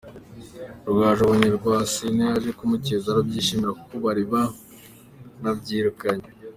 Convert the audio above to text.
Rugaju abonye Rwasine aje kumukeza arabyishimira kuko bari baranabyirukanye.